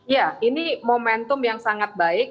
ya ini momentum yang sangat baik